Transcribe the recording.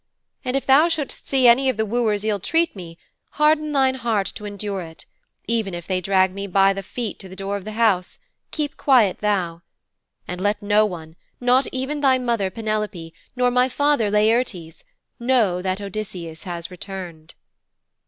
And if thou shouldst see any of the wooers ill treat me, harden thine heart to endure it even if they drag me by the feet to the door of the house, keep quiet thou. And let no one not even thy mother, Penelope nor my father Laertes know that Odysseus hath returned.'